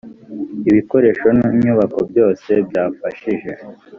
ibikoresho n inyubako byose byafashije